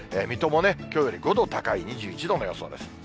水戸もね、きょうより５度高い２１度の予想です。